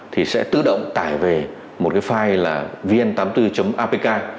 thì sẽ tự động tải về một cái file là vn tám mươi bốn apk